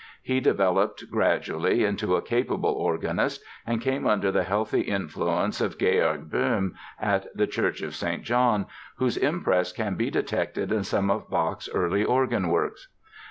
He developed, gradually, into a capable organist and came under the healthy influence of Georg Böhm at the Church of St. John, whose impress can be detected in some of Bach's early organ works.